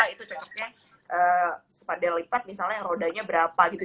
itu cocoknya sepeda lipat misalnya rodanya berapa gitu